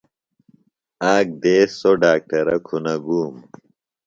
آک دیس سوۡ ڈاکٹرہ کُھنہ گُوم۔